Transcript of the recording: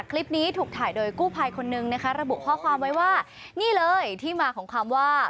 คลิปนี้ถูกถ่ายโดยกู้ภัยคนนึงนะคะระบุข้อความไว้ว่านี่เลยที่มาของคำว่า